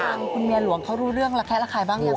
แล้วคุณเมียหลวงเขารู้เรื่องละแคละใครบ้างยังไงโอ้โฮ